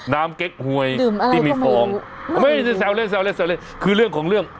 น้ำเก็บหวยดื่มอะไรก็ไม่ดูแซวคือเรื่องของเรื่อง